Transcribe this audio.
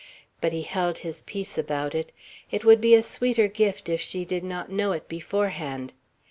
But he held his peace about it. It would be a sweeter gift, if she did not know it beforehand.